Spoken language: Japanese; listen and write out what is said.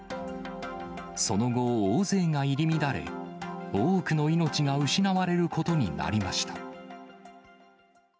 その後、大勢が入り乱れ、多くの命が失われることになりました。